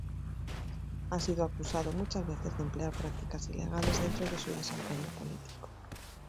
Ha sido acusado muchas veces de emplear prácticas ilegales dentro de su desempeño político.